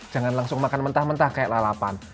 jangan langsung makan mentah mentah kayak lalapan